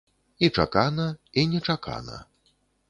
І чакана, і нечакана.